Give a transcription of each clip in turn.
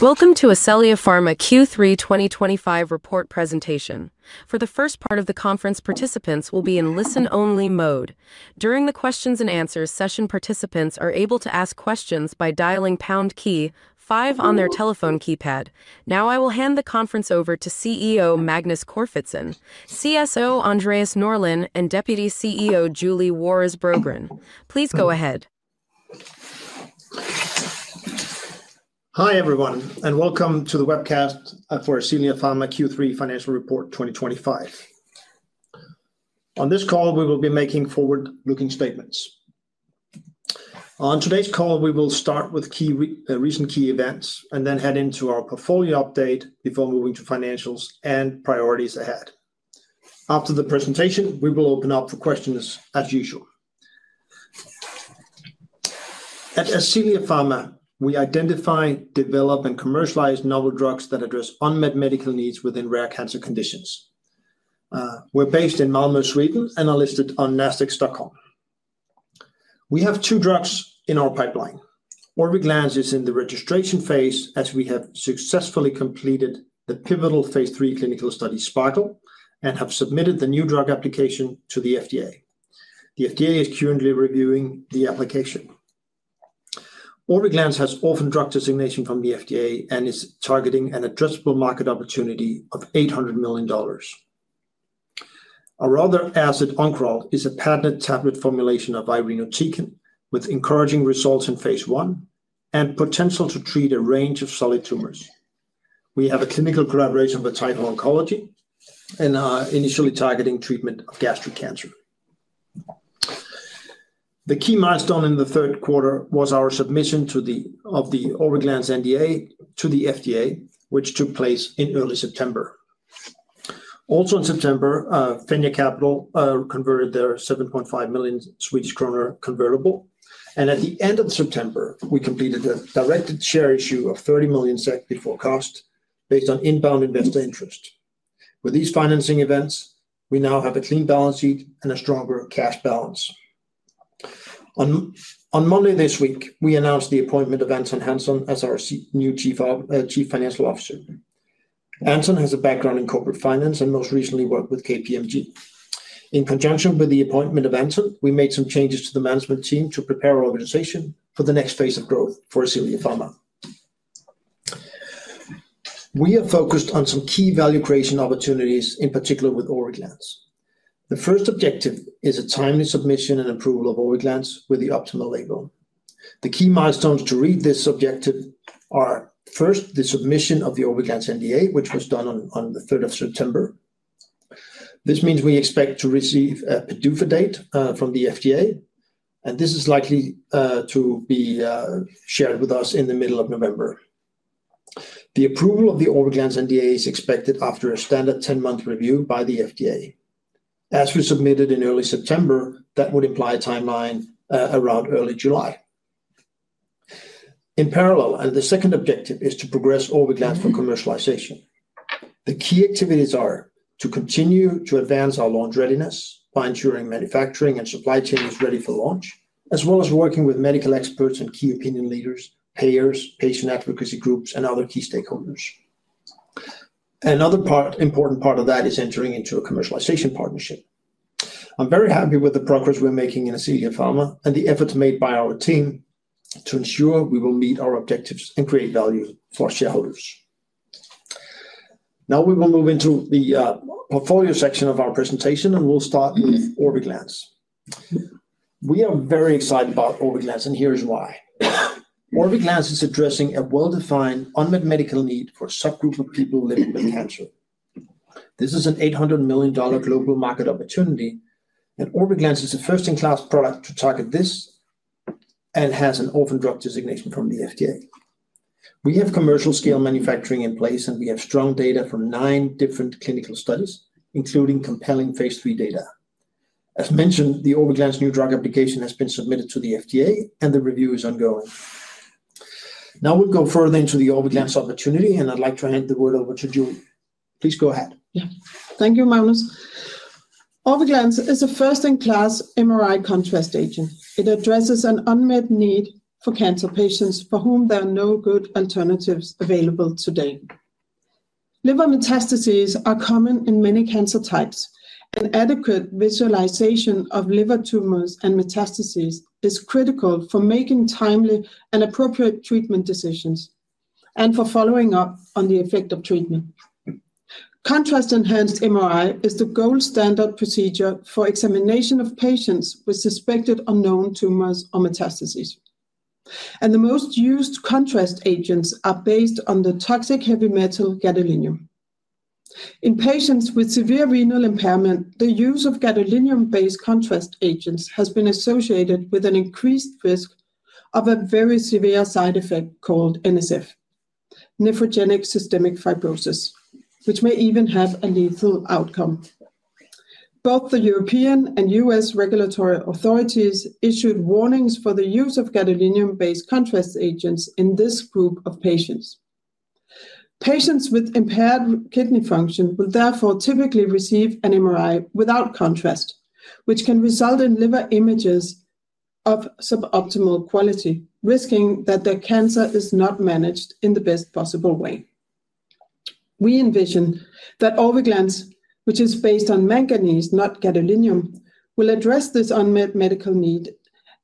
Welcome to Ascelia Pharma Q3 2025 report presentation. For the first part of the conference, participants will be in listen-only mode. During the Q&A session, participants are able to ask questions by dialing pound key five on their telephone keypad. Now I will hand the conference over to CEO Magnus Corfitzen, CSO Andreas Nordlin, and Deputy CEO Julie Waras Brogren. Please go ahead. Hi everyone, and welcome to the webcast for Ascelia Pharma Q3 financial report 2025. On this call, we will be making forward-looking statements. On today's call, we will start with recent key events and then head into our portfolio update before moving to financials and priorities ahead. After the presentation, we will open up for questions as usual. At Ascelia Pharma, we identify, develop, and commercialize novel drugs that address unmet medical needs within rare cancer conditions. We're based in Malmö, Sweden, and are listed on Nasdaq Stockholm. We have two drugs in our pipeline. OrbiGlans is in the registration phase as we have successfully completed the pivotal Phase III clinical study SPIRAL and have submitted the new drug application to the FDA. The FDA is currently reviewing the application. OrbiGlans has orphan drug designation from the FDA and is targeting an addressable market opportunity of $800 million. Our other asset, OncRol, is a patented tablet formulation of irinotecan with encouraging results in Phase I and potential to treat a range of solid tumors. We have a clinical collaboration with Tidal Oncology and are initially targeting treatment of gastric cancer. The key milestone in the third quarter was our submission of the OrbiGlans NDA to the FDA, which took place in early September. Also in September, Fenja Capital converted their 7.5 million Swedish kronor convertible, and at the end of September, we completed a directed share issue of 30 million SEK before cost based on inbound investor interest. With these financing events, we now have a clean balance sheet and a stronger cash balance. On Monday this week, we announced the appointment of Anton Hansson as our new Chief Financial Officer. Anton has a background in corporate finance and most recently worked with KPMG. In conjunction with the appointment of Anton, we made some changes to the management team to prepare our organization for the next phase of growth for Ascelia Pharma. We are focused on some key value creation opportunities, in particular with OrbiGlans. The first objective is a timely submission and approval of OrbiGlans with the optimal label. The key milestones to reach this objective are, first, the submission of the OrbiGlans NDA, which was done on the 3rd of September. This means we expect to receive a PDUFA date from the FDA, and this is likely to be shared with us in the middle of November. The approval of the OrbiGlans NDA is expected after a standard 10-month review by the FDA. As we submitted in early September, that would imply a timeline around early July. In parallel, the second objective is to progress OrbiGlans for commercialization. The key activities are to continue to advance our launch readiness by ensuring manufacturing and supply chains are ready for launch, as well as working with medical experts and key opinion leaders, payers, patient advocacy groups, and other key stakeholders. Another important part of that is entering into a commercialization partnership. I'm very happy with the progress we're making in Ascelia Pharma and the efforts made by our team to ensure we will meet our objectives and create value for our shareholders. Now we will move into the portfolio section of our presentation, and we'll start with OrbiGlans. We are very excited about OrbiGlans, and here's why. OrbiGlans is addressing a well-defined unmet medical need for a subgroup of people living with cancer. This is a $800 million global market opportunity, and OrbiGlans is a first-in-class product to target this. It has an orphan drug designation from the FDA. We have commercial-scale manufacturing in place, and we have strong data from nine different clinical studies, including compelling Phase III data. As mentioned, the OrbiGlans new drug application has been submitted to the FDA, and the review is ongoing. Now we'll go further into the OrbiGlans opportunity, and I'd like to hand the word over to Julie. Please go ahead. Yeah, thank you, Magnus. OrbiGlans is a first-in-class MRI contrast agent. It addresses an unmet need for cancer patients for whom there are no good alternatives available today. Liver metastases are common in many cancer types, and adequate visualization of liver tumors and metastases is critical for making timely and appropriate treatment decisions and for following up on the effect of treatment. Contrast-enhanced MRI is the gold standard procedure for examination of patients with suspected unknown tumors or metastases. The most used contrast agents are based on the toxic heavy metal gadolinium. In patients with severe renal impairment, the use of gadolinium-based contrast agents has been associated with an increased risk of a very severe side effect called NSF, nephrogenic systemic fibrosis, which may even have a lethal outcome. Both the European and U.S. regulatory authorities issued warnings for the use of gadolinium-based contrast agents in this group of patients. Patients with impaired kidney function will therefore typically receive an MRI without contrast, which can result in liver images of suboptimal quality, risking that their cancer is not managed in the best possible way. We envision that OrbiGlans, which is based on manganese, not gadolinium, will address this unmet medical need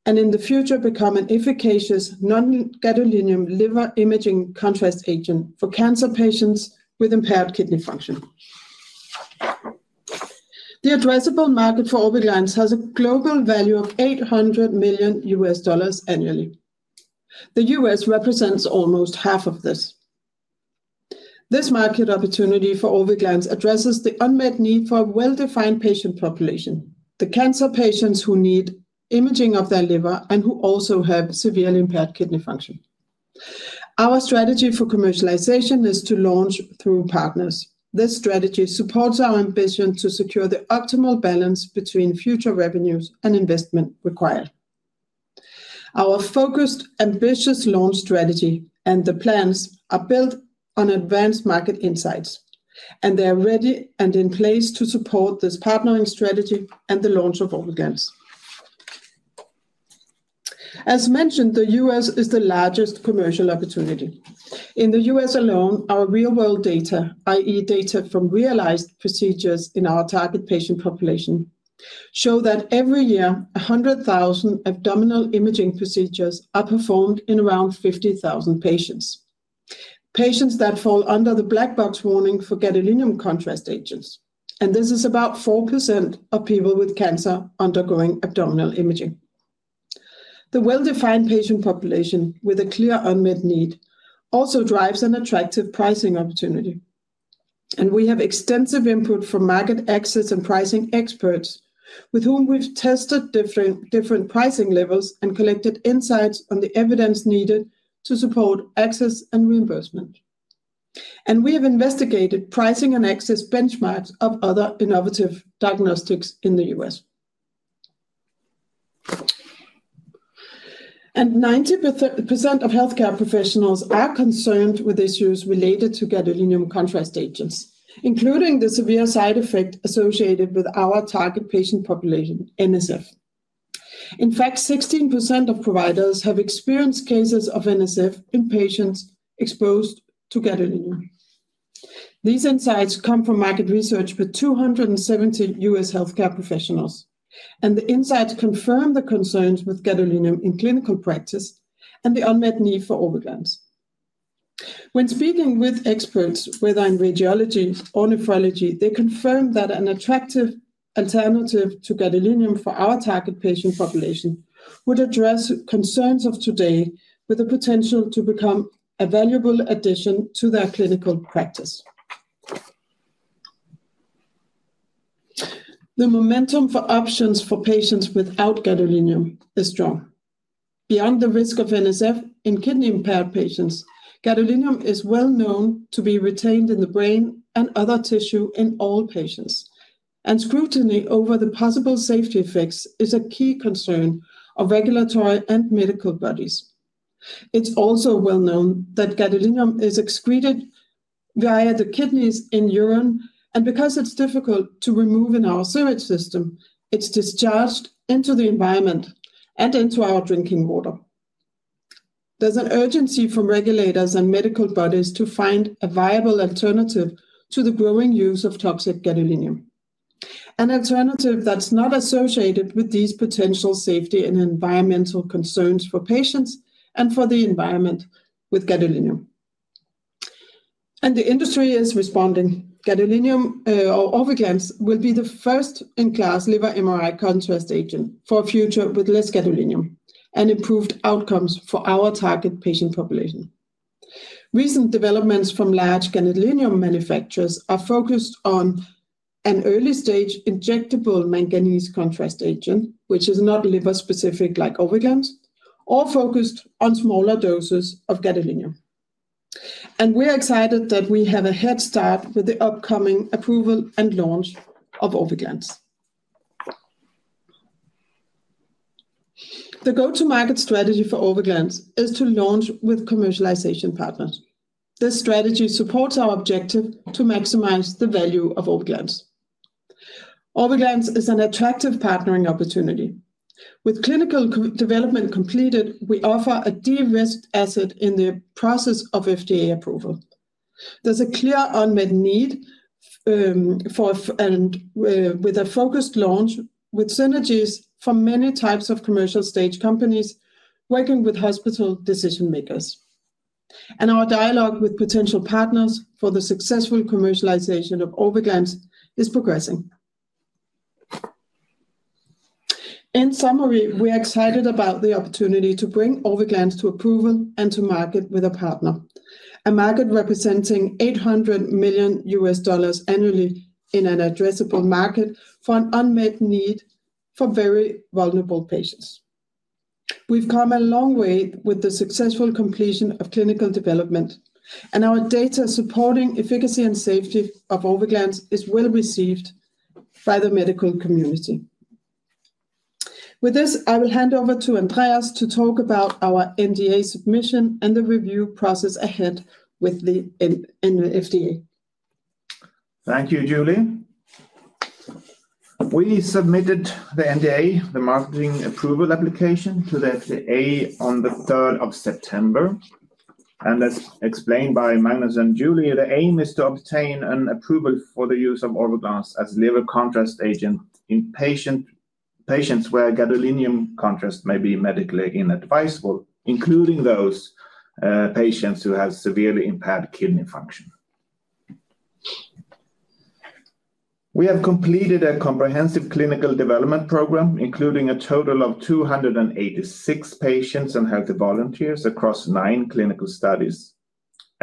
and in the future become an efficacious non-gadolinium liver imaging contrast agent for cancer patients with impaired kidney function. The addressable market for OrbiGlans has a global value of $800 million annually. The U.S. represents almost half of this. This market opportunity for OrbiGlans addresses the unmet need for a well-defined patient population, the cancer patients who need imaging of their liver and who also have severely impaired kidney function. Our strategy for commercialization is to launch through partners. This strategy supports our ambition to secure the optimal balance between future revenues and investment required. Our focused, ambitious launch strategy and the plans are built on advanced market insights, and they are ready and in place to support this partnering strategy and the launch of OrbiGlans. As mentioned, the U.S. is the largest commercial opportunity. In the U.S. alone, our real-world data, i.e., data from realized procedures in our target patient population, show that every year, 100,000 abdominal imaging procedures are performed in around 50,000 patients. Patients that fall under the black box warning for gadolinium contrast agents, and this is about 4% of people with cancer undergoing abdominal imaging. The well-defined patient population with a clear unmet need also drives an attractive pricing opportunity. We have extensive input from market access and pricing experts with whom we've tested different pricing levels and collected insights on the evidence needed to support access and reimbursement. We have investigated pricing and access benchmarks of other innovative diagnostics in the U.S. 90% of healthcare professionals are concerned with issues related to gadolinium contrast agents, including the severe side effect associated with our target patient population, NSF. In fact, 16% of providers have experienced cases of NSF in patients exposed to gadolinium. These insights come from market research with 270 U.S. healthcare professionals, and the insights confirm the concerns with gadolinium in clinical practice and the unmet need for OrbiGlans. When speaking with experts, whether in radiology or nephrology, they confirmed that an attractive alternative to gadolinium for our target patient population would address concerns of today with the potential to become a valuable addition to their clinical practice. The momentum for options for patients without gadolinium is strong. Beyond the risk of NSF in kidney-impaired patients, gadolinium is well known to be retained in the brain and other tissue in all patients, and scrutiny over the possible safety effects is a key concern of regulatory and medical bodies. It's also well known that gadolinium is excreted via the kidneys in urine, and because it's difficult to remove in our sewer system, it's discharged into the environment and into our drinking water. There's an urgency from regulators and medical bodies to find a viable alternative to the growing use of toxic gadolinium. An alternative that's not associated with these potential safety and environmental concerns for patients and for the environment with gadolinium. The industry is responding. OrbiGlans will be the first-in-class liver MRI contrast agent for a future with less gadolinium and improved outcomes for our target patient population. Recent developments from large gadolinium manufacturers are focused on an early-stage injectable manganese contrast agent, which is not liver-specific like OrbiGlans, or focused on smaller doses of gadolinium. We're excited that we have a head start with the upcoming approval and launch of OrbiGlans. The go-to-market strategy for OrbiGlans is to launch with commercialization partners. This strategy supports our objective to maximize the value of OrbiGlans. OrbiGlans is an attractive partnering opportunity. With clinical development completed, we offer a de-risked asset in the process of FDA approval. There's a clear unmet need. With a focused launch with synergies from many types of commercial-stage companies working with hospital decision-makers. Our dialogue with potential partners for the successful commercialization of OrbiGlans is progressing. In summary, we are excited about the opportunity to bring OrbiGlans to approval and to market with a partner, a market representing $800 million US dollars annually in an addressable market for an unmet need for very vulnerable patients. We have come a long way with the successful completion of clinical development, and our data supporting efficacy and safety of OrbiGlans is well received by the medical community. With this, I will hand over to Andreas to talk about our NDA submission and the review process ahead with the FDA. Thank you, Julie. We submitted the NDA, the marketing approval application, to the FDA on the 3rd of September. As explained by Magnus and Julie, the aim is to obtain an approval for the use of OrbiGlans as a liver contrast agent in patients where gadolinium contrast may be medically inadvisable, including those patients who have severely impaired kidney function. We have completed a comprehensive clinical development program, including a total of 286 patients and healthy volunteers across nine clinical studies.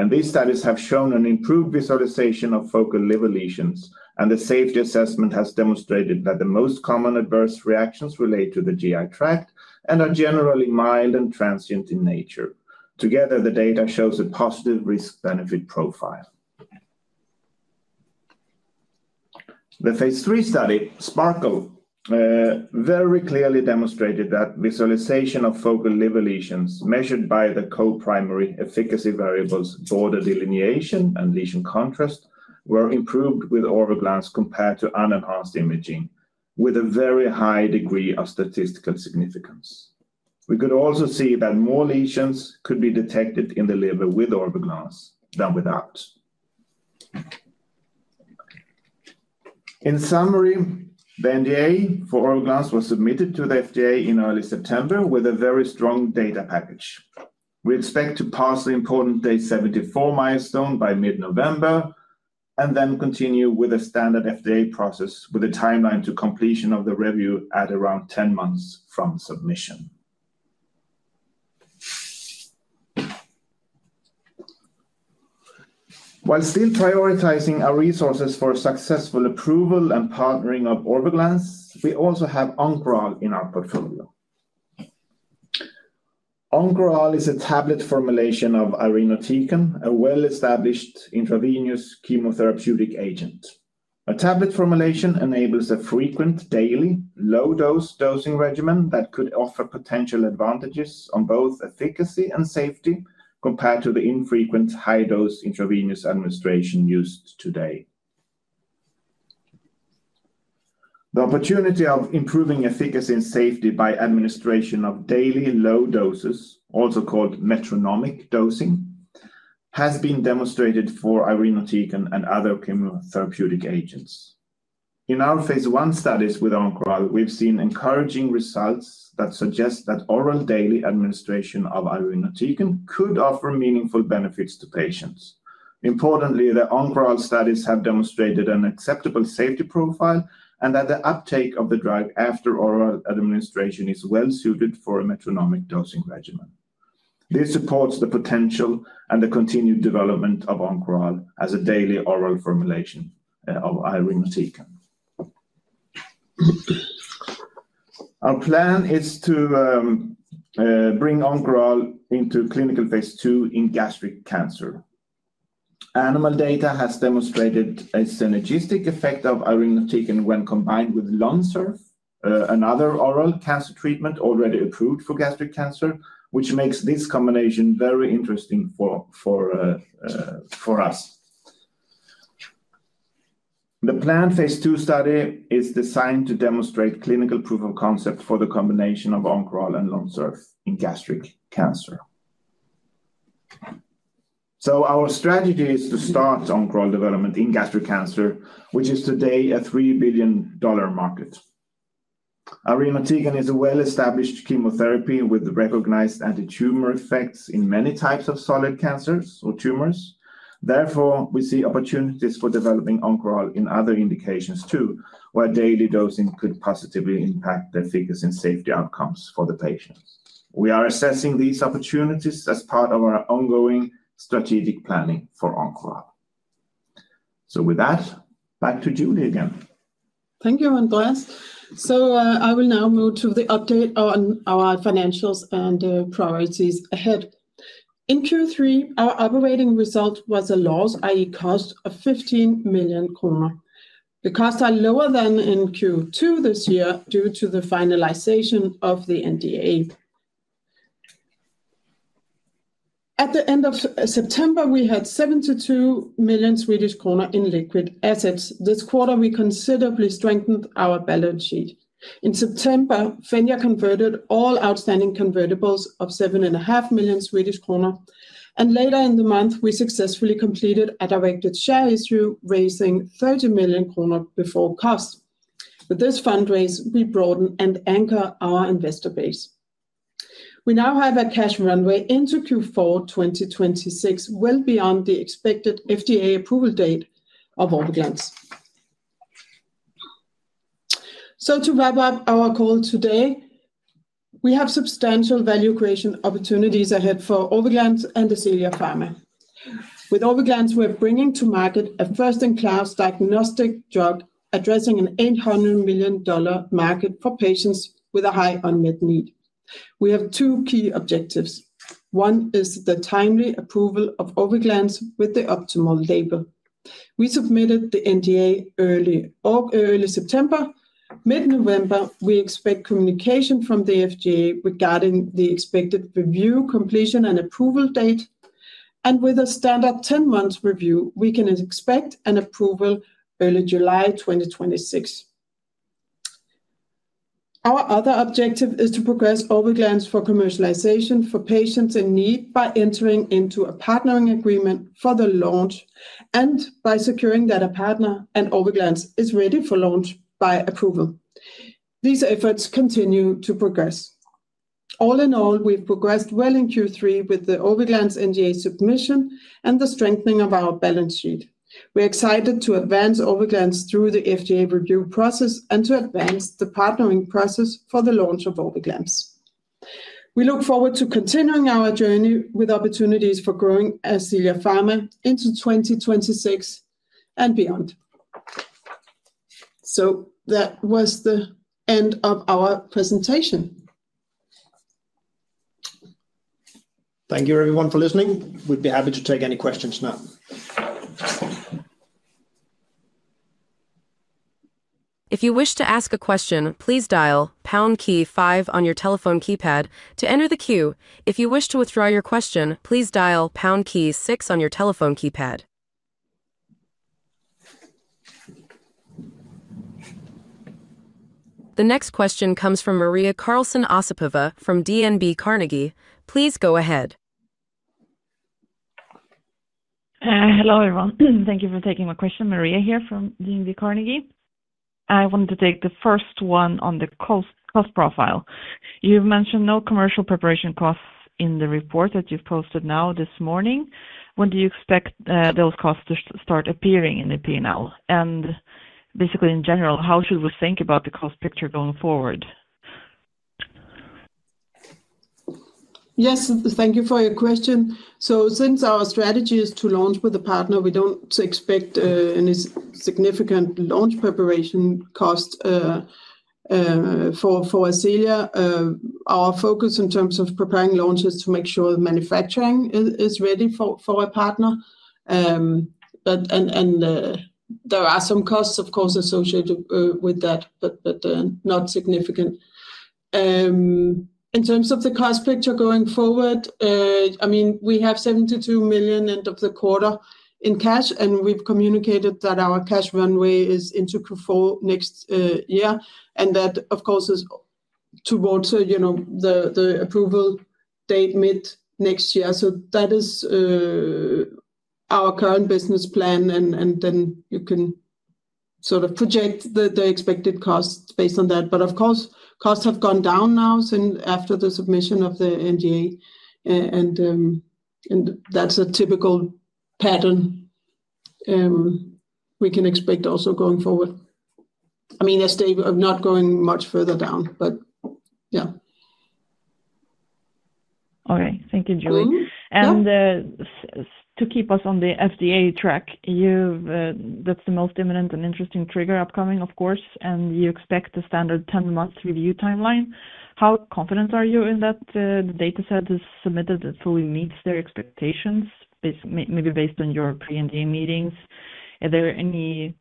These studies have shown an improved visualization of focal liver lesions, and the safety assessment has demonstrated that the most common adverse reactions relate to the GI tract and are generally mild and transient in nature. Together, the data shows a positive risk-benefit profile. The Phase III study, SPARCL. Very clearly demonstrated that visualization of focal liver lesions measured by the co-primary efficacy variables border delineation and lesion contrast were improved with OrbiGlans compared to unenhanced imaging, with a very high degree of statistical significance. We could also see that more lesions could be detected in the liver with OrbiGlans than without. In summary, the NDA for OrbiGlans was submitted to the FDA in early September with a very strong data package. We expect to pass the important Day 74 milestone by mid-November. We continue with a standard FDA process with a timeline to completion of the review at around 10 months from submission. While still prioritizing our resources for successful approval and partnering of OrbiGlans, we also have OncRol in our portfolio. OncRol is a tablet formulation of irinotecan, a well-established intravenous chemotherapeutic agent. A tablet formulation enables a frequent daily low-dose dosing regimen that could offer potential advantages on both efficacy and safety compared to the infrequent high-dose intravenous administration used today. The opportunity of improving efficacy and safety by administration of daily low doses, also called metronomic dosing, has been demonstrated for irinotecan and other chemotherapeutic agents. In our Phase I studies with OncRol, we've seen encouraging results that suggest that oral daily administration of irinotecan could offer meaningful benefits to patients. Importantly, the OncRol studies have demonstrated an acceptable safety profile and that the uptake of the drug after oral administration is well-suited for a metronomic dosing regimen. This supports the potential and the continued development of OncRol as a daily oral formulation of irinotecan. Our plan is to bring OncRol into clinical Phase II in gastric cancer. Animal data has demonstrated a synergistic effect of irinotecan when combined with Lonsurf, another oral cancer treatment already approved for gastric cancer, which makes this combination very interesting for us. The planned Phase II study is designed to demonstrate clinical proof of concept for the combination of OncRol and Lonsurf in gastric cancer. Our strategy is to start OncRol development in gastric cancer, which is today a $3 billion market. Irinotecan is a well-established chemotherapy with recognized anti-tumor effects in many types of solid cancers or tumors. Therefore, we see opportunities for developing OncRol in other indications too, where daily dosing could positively impact the efficacy and safety outcomes for the patients. We are assessing these opportunities as part of our ongoing strategic planning for OncRol. With that, back to Julie again. Thank you, Andreas. I will now move to the update on our financials and priorities ahead. In Q3, our operating result was a loss, i.e., cost of 15 million kronor. The costs are lower than in Q2 this year due to the finalization of the NDA. At the end of September, we had 72 million Swedish kronor in liquid assets. This quarter, we considerably strengthened our balance sheet. In September, Fenja converted all outstanding convertibles of 7.5 million Swedish kronor, and later in the month, we successfully completed a directed share issue, raising 30 million kronor before cost. With this fundraise, we broaden and anchor our investor base. We now have a cash runway into Q4 2026, well beyond the expected FDA approval date of OrbiGlans. To wrap up our call today, we have substantial value creation opportunities ahead for OrbiGlans and Ascelia Pharma. With OrbiGlans, we're bringing to market a first-in-class diagnostic drug addressing an $800 million market for patients with a high unmet need. We have two key objectives. One is the timely approval of OrbiGlans with the optimal label. We submitted the NDA early September. Mid-November, we expect communication from the FDA regarding the expected review completion and approval date. With a standard 10-month review, we can expect an approval early July 2026. Our other objective is to progress OrbiGlans for commercialization for patients in need by entering into a partnering agreement for the launch and by securing that a partner and OrbiGlans is ready for launch by approval. These efforts continue to progress. All in all, we've progressed well in Q3 with the OrbiGlans NDA submission and the strengthening of our balance sheet. We're excited to advance OrbiGlans through the FDA review process and to advance the partnering process for the launch of OrbiGlans. We look forward to continuing our journey with opportunities for growing Ascelia Pharma into 2026 and beyond. That was the end of our presentation. Thank you, everyone, for listening. We'd be happy to take any questions now. If you wish to ask a question, please dial pound key five on your telephone keypad to enter the queue. If you wish to withdraw your question, please dial pound key six on your telephone keypad. The next question comes from Maria Karrlson-Osipova from DNB Carnegie. Please go ahead. Hello, everyone. Thank you for taking my question. Maria here from DNB Carnegie. I wanted to take the first one on the cost profile. You've mentioned no commercial preparation costs in the report that you've posted now this morning. When do you expect those costs to start appearing in the P&L? Basically, in general, how should we think about the cost picture going forward? Yes, thank you for your question. Since our strategy is to launch with a partner, we do not expect any significant launch preparation costs for OrbiGlans. Our focus in terms of preparing launches is to make sure the manufacturing is ready for a partner. There are some costs, of course, associated with that, but not significant. In terms of the cost picture going forward, I mean, we have 72 million end of the quarter in cash, and we have communicated that our cash runway is into Q4 next year. That, of course, is towards the approval date mid next year. That is our current business plan, and then you can sort of project the expected costs based on that. Of course, costs have gone down now after the submission of the NDA, and that is a typical pattern we can expect also going forward. I mean, as they are not going much further down, but yeah. All right. Thank you, Julie. To keep us on the FDA track, that's the most imminent and interesting trigger upcoming, of course, and you expect the standard 10-month review timeline. How confident are you in that the dataset is submitted that fully meets their expectations, maybe based on your pre-NDA meetings? Are there any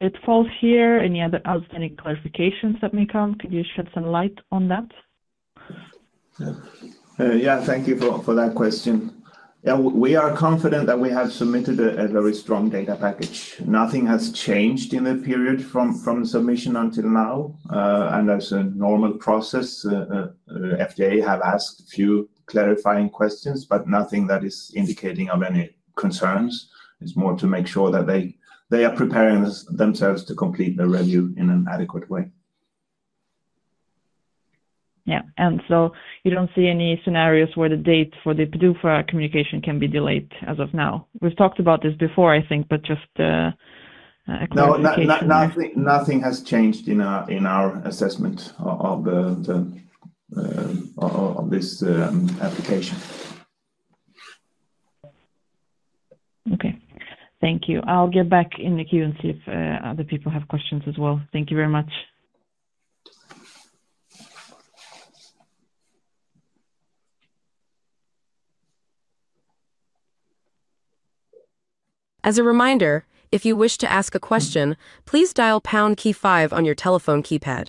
pitfalls here? Any outstanding clarifications that may come? Could you shed some light on that? Yeah, thank you for that question. Yeah, we are confident that we have submitted a very strong data package. Nothing has changed in the period from submission until now. As a normal process, FDA have asked a few clarifying questions, but nothing that is indicating of any concerns. It is more to make sure that they are preparing themselves to complete the review in an adequate way. Yeah. You do not see any scenarios where the date for the PDUFA communication can be delayed as of now? We have talked about this before, I think, but just a quick recap. Nothing has changed in our assessment of this application. Okay. Thank you. I'll get back in the queue and see if other people have questions as well. Thank you very much. As a reminder, if you wish to ask a question, please dial pound key five on your telephone keypad.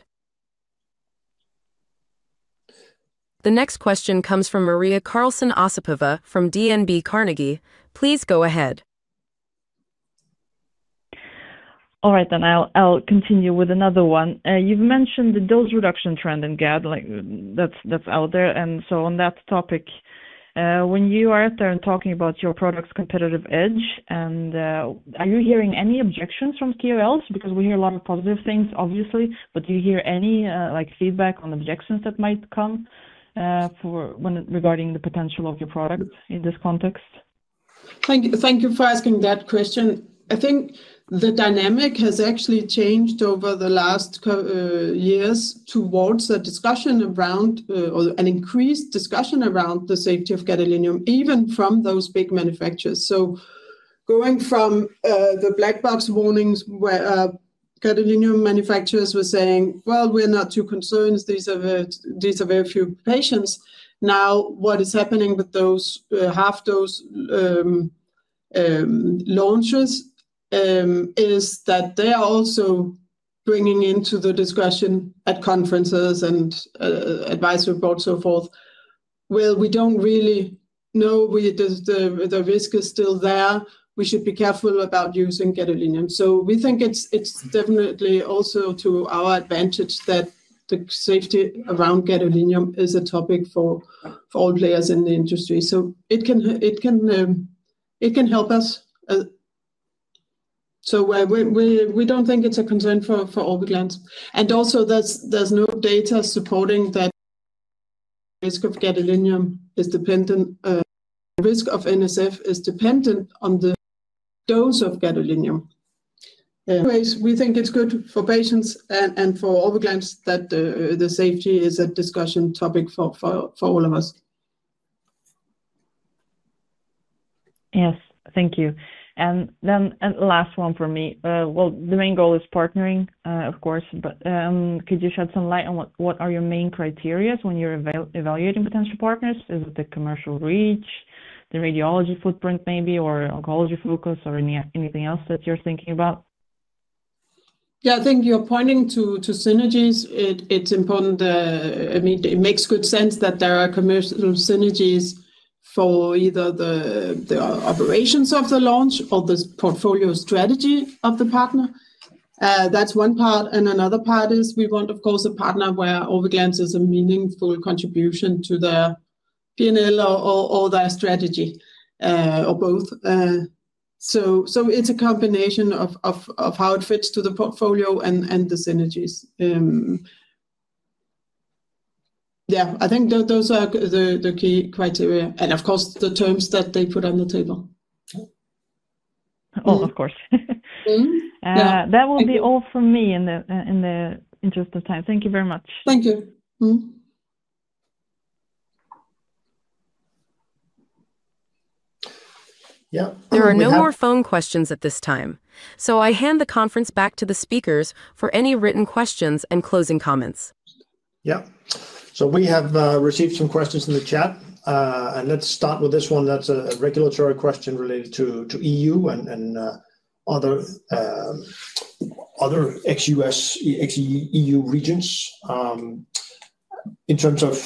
The next question comes from Maria Karllson Osipova from DNB Carnegie. Please go ahead. All right, then I'll continue with another one. You've mentioned the dose reduction trend in gad that's out there. On that topic, when you are out there and talking about your product's competitive edge, are you hearing any objections from KOLs? Because we hear a lot of positive things, obviously, but do you hear any feedback on objections that might come regarding the potential of your product in this context? Thank you for asking that question. I think the dynamic has actually changed over the last years towards an increased discussion around the safety of gadolinium, even from those big manufacturers. Going from the black box warnings, where gadolinium manufacturers were saying, "Well, we're not too concerned. These are very few patients." Now, what is happening with those half-dose launches is that they are also bringing into the discussion at conferences and advisory boards, so forth. We don't really know. The risk is still there. We should be careful about using gadolinium. We think it's definitely also to our advantage that the safety around gadolinium is a topic for all players in the industry. It can help us. We don't think it's a concern for OrbiGlans. Also, there's no data supporting that risk of gadolinium is dependent on dose of gadolinium. Anyways, we think it's good for patients and for OrbiGlans that the safety is a discussion topic for all of us. Yes. Thank you. The main goal is partnering, of course, but could you shed some light on what are your main criteria when you're evaluating potential partners? Is it the commercial reach, the radiology footprint maybe, or oncology focus, or anything else that you're thinking about? Yeah, I think you're pointing to synergies. It's important. I mean, it makes good sense that there are commercial synergies for either the operations of the launch or the portfolio strategy of the partner. That's one part. Another part is we want, of course, a partner where OrbiGlans is a meaningful contribution to the P&L or their strategy. Or both. It is a combination of how it fits to the portfolio and the synergies. Yeah, I think those are the key criteria. Of course, the terms that they put on the table. Oh, of course. That will be all from me in the interest of time. Thank you very much. Thank you. Yeah. There are no more phone questions at this time. I hand the conference back to the speakers for any written questions and closing comments. Yeah. We have received some questions in the chat. Let's start with this one. That's a regulatory question related to EU and other ex-U.S. EU regions. In terms of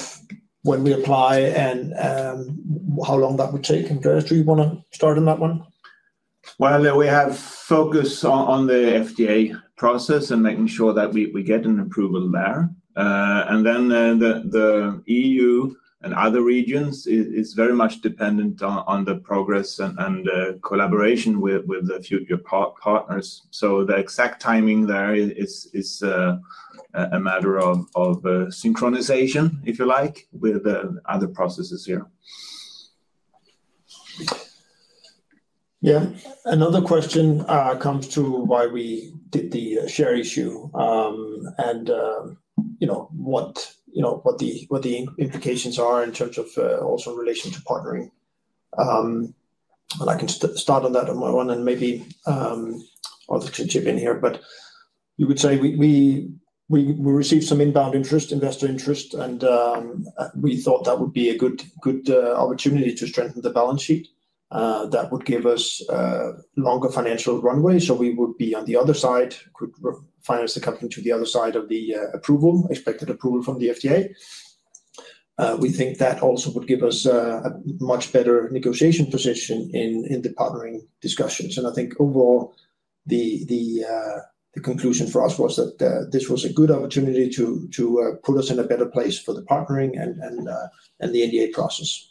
when we apply and how long that would take. Andreas, do you want to start on that one? We have focused on the FDA process and making sure that we get an approval there. The EU and other regions is very much dependent on the progress and collaboration with your partners. The exact timing there is a matter of synchronization, if you like, with other processes here. Yeah. Another question comes to why we did the share issue. What the implications are in terms of also relation to partnering. I can start on that on my own, and maybe others can chip in here. You would say we received some inbound interest, investor interest, and we thought that would be a good opportunity to strengthen the balance sheet. That would give us a longer financial runway, so we would be on the other side, could finance the company to the other side of the expected approval from the FDA. We think that also would give us a much better negotiation position in the partnering discussions. I think overall the conclusion for us was that this was a good opportunity to put us in a better place for the partnering and the NDA process.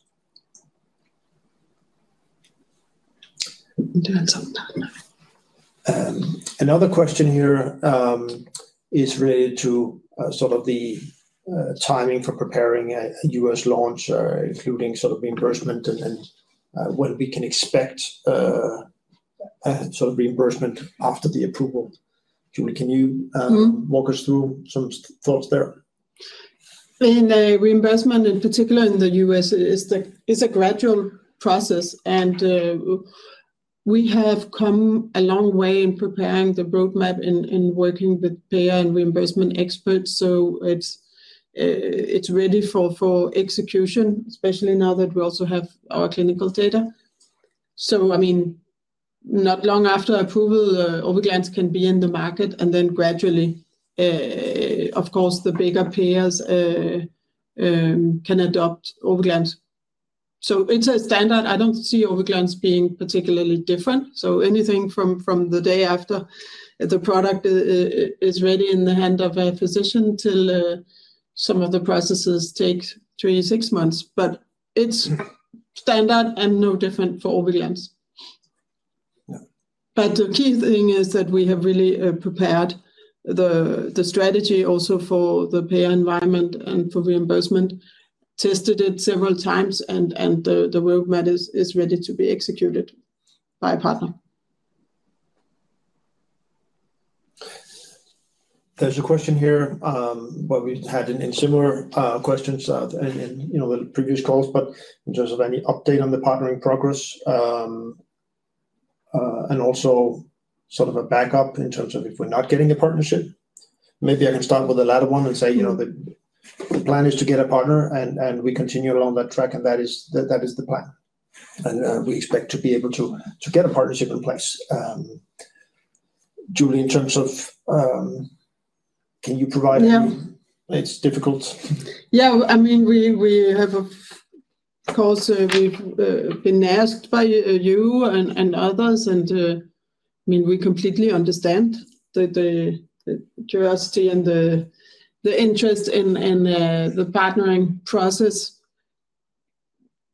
Another question here. Is related to sort of the timing for preparing a U.S. launch, including sort of reimbursement and when we can expect sort of reimbursement after the approval. Julie, can you walk us through some thoughts there? I mean, reimbursement in particular in the U.S. is a gradual process. We have come a long way in preparing the roadmap and working with payer and reimbursement experts. It is ready for execution, especially now that we also have our clinical data. I mean, not long after approval, OrbiGlans can be in the market, and then gradually, of course, the bigger payers can adopt OrbiGlans so it is a standard. I do not see OrbiGlans being particularly different. Anything from the day after the product is ready in the hand of a physician till some of the processes take three-six months. It is standard and no different for OrbiGlans. The key thing is that we have really prepared the strategy also for the payer environment and for reimbursement, tested it several times, and the roadmap is ready to be executed by a partner. There's a question here. We had similar questions in the previous calls, but in terms of any update on the partnering progress. Also, sort of a backup in terms of if we're not getting a partnership. Maybe I can start with the latter one and say the plan is to get a partner, and we continue along that track, and that is the plan. We expect to be able to get a partnership in place. Julie, in terms of, can you provide? Yeah. It's difficult. Yeah. I mean, we have. Of course, we've been asked by you and others, and I mean, we completely understand the curiosity and the interest in the partnering process.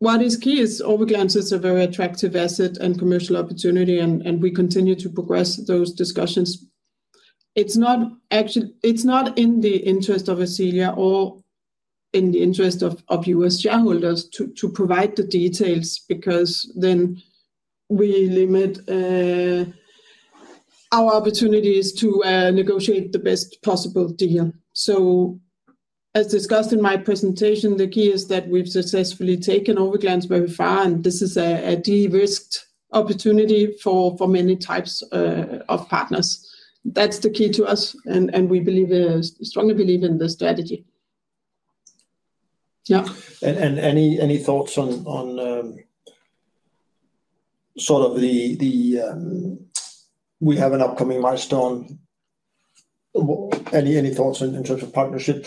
What is key is OrbiGlans is a very attractive asset and commercial opportunity, and we continue to progress those discussions. It's not in the interest of Ascelia or in the interest of U.S. shareholders to provide the details because then we limit our opportunities to negotiate the best possible deal. As discussed in my presentation, the key is that we've successfully taken OrbiGlans very far, and this is a de-risked opportunity for many types of partners. That's the key to us, and we strongly believe in the strategy. Yeah. Any thoughts on, sort of, the—we have an upcoming milestone. Any thoughts in terms of partnership?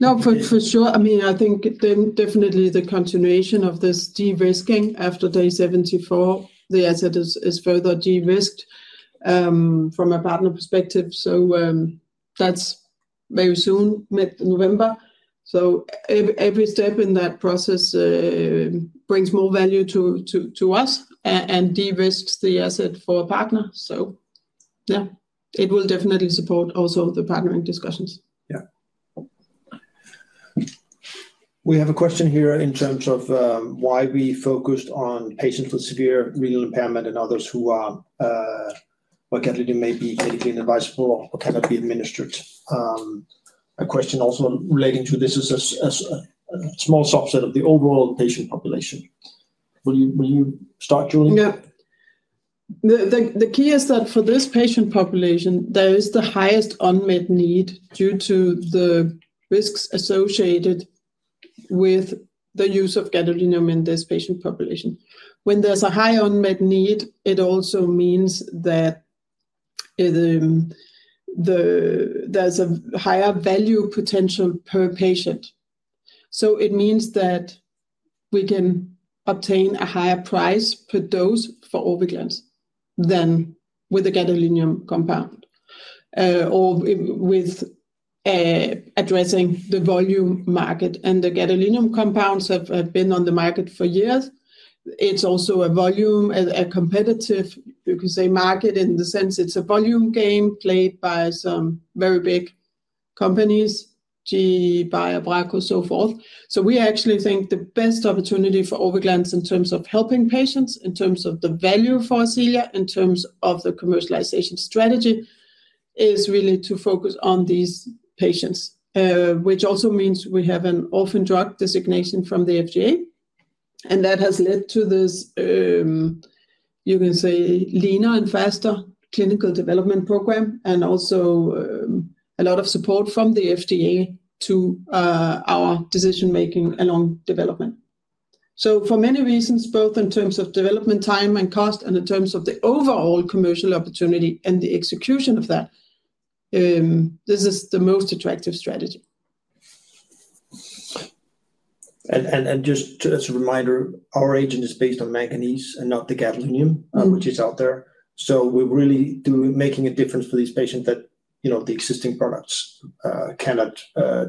No, for sure. I mean, I think definitely the continuation of this de-risking after day 74, the asset is further de-risked. From a partner perspective, that is very soon, mid-November. Every step in that process brings more value to us and de-risks the asset for a partner. Yeah, it will definitely support also the partnering discussions. Yeah. We have a question here in terms of why we focused on patients with severe renal impairment and others who are, or gadolinium may be medically inadvisable or cannot be administered. A question also relating to this is a small subset of the overall patient population. Will you start, Julie? Yeah. The key is that for this patient population, there is the highest unmet need due to the risks associated with the use of gadolinium in this patient population. When there's a high unmet need, it also means that there's a higher value potential per patient. It means that we can obtain a higher price per dose for OrbiGlans than with a gadolinium compound or with addressing the volume market. The gadolinium compounds have been on the market for years. It's also a volume, a competitive, you could say, market in the sense it's a volume game played by some very big companies, GE, Bracco, so forth. We actually think the best opportunity for OrbiGlans in terms of helping patients, in terms of the value for Ascelia, in terms of the commercialization strategy, is really to focus on these patients, which also means we have an orphan drug designation from the FDA. That has led to this, you can say, leaner and faster clinical development program and also a lot of support from the FDA to our decision-making along development. For many reasons, both in terms of development time and cost, and in terms of the overall commercial opportunity and the execution of that, this is the most attractive strategy. Just as a reminder, our agent is based on manganese and not the gadolinium, which is out there. We are really making a difference for these patients that the existing products cannot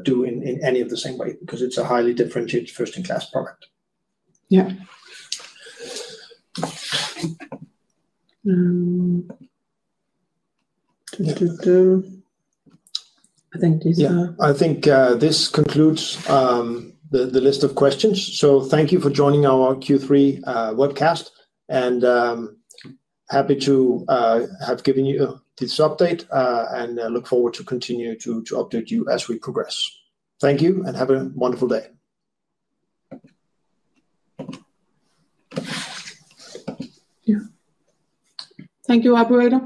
do in any of the same way because it is a highly differentiated first-in-class product. Yeah. I think these are. Yeah. I think this concludes the list of questions. Thank you for joining our Q3 webcast. Happy to have given you this update and look forward to continue to update you as we progress. Thank you and have a wonderful day. Thank you, Operator.